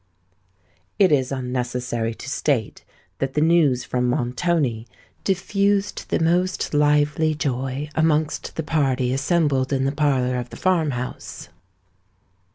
It is unnecessary to state that the news from Montoni diffused the most lively joy amongst the party assembled in the parlour of the farm house.